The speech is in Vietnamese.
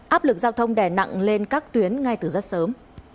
áp lực giao thông đẻ nặng lên các tuyến ngay từ rất sớm